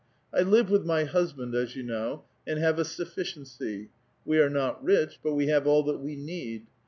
1 live with my husband, as you know, and have a sufficiency : we are not rich, but we have all that we need.